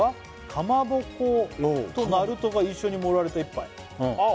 「かまぼことなるとが一緒に盛られた一杯」あっ